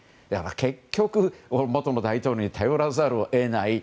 結局、元の大統領に頼らざるを得ない。